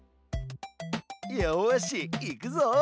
よしいくぞ！